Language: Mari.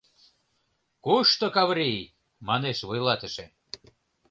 — Кушто Каврий? — манеш вуйлатыше.